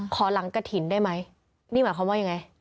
หลังกระถิ่นได้ไหมนี่หมายความว่ายังไง